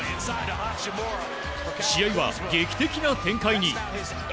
試合は、劇的な展開に。